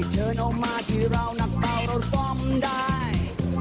เชิญออกมาที่เรานักเปล่าเราซ่อมได้